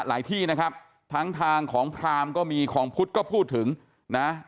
ที่นะครับทั้งทางของพรามก็มีของพุทธก็พูดถึงนะ